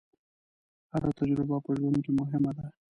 هره تجربه په ژوند کې مهمه ده.